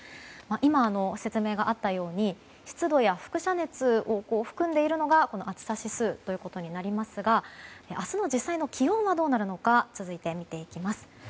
今、説明があったように湿度や輻射熱を含んでいるのがこの暑さ指数となりますが明日の実際の気温はどうなるのか続いて見ていきます。